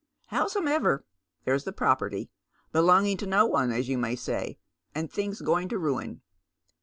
Howsome dever, there's the property, belonging to no one, as you may say, and tilings going to ruin.